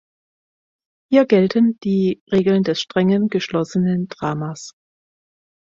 Hier gelten die Regeln des strengen, geschlossenen Dramas.